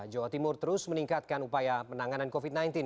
jawa timur terus meningkatkan upaya penanganan covid sembilan belas